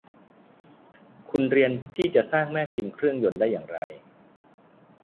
คุณเรียนที่จะสร้างแม่พิมพ์เครื่องยนต์อย่างไร